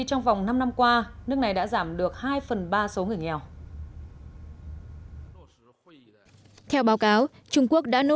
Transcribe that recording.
trong vòng năm năm qua nước này đã giảm được hai phần ba số người nghèo theo báo cáo trung quốc đã nỗ